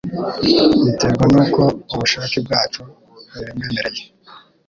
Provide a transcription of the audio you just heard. biterwa nuko ubushake bwacu bubimwemereye,